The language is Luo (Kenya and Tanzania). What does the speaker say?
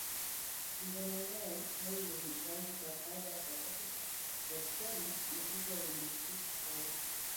Pinje mang'eny moriwo Zanzibar, Canada, South Africa, kod Kenya ne ogoyo marfuk ohala